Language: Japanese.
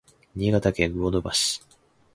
新潟県魚沼市